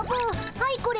はいこれ。